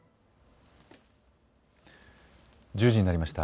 １０時になりました。